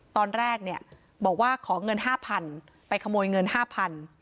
ตอนแรกเนี่ยบอกว่าขอเงินห้าพันไปขโมยเงินห้าพัน